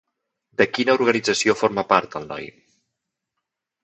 De quina organització forma part el noi?